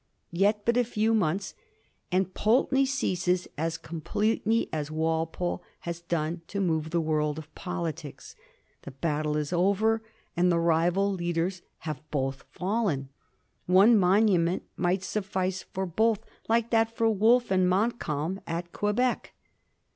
Yet but a few months, and Pulteney ceases as completely as Walpole has done to move the world of politics. The battle is over and the rival leaders have both fallen. One monument might suffice for both, like that for Wolfe and Montcalm at Quebec.